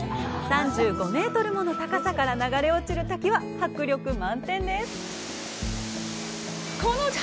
３５メートルもの高さから流れ落ちる滝は迫力満点です。